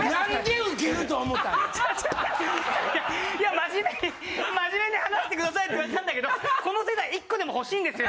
真面目に真面目に話してくださいって言われたんだけどこの世代１個でも欲しいんですよ。